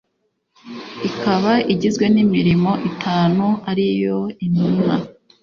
ikaba igizwe n’imirimo itanu ariyo Intumwa